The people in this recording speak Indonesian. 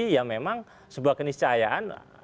ya memang sebuah keniscahayaan